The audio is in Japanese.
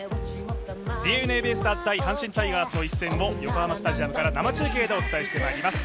ＤｅＮＡベイスターズ×阪神タイガースの一戦を横浜スタジアムから生中継でお伝えしてまいります。